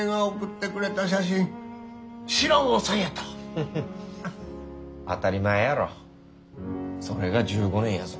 フフ当たり前やろそれが１５年やぞ。